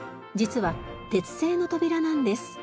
実は鉄製の扉なんです。